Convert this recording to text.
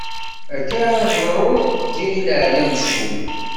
Akka ara teḍru d lǧil-agi amcum.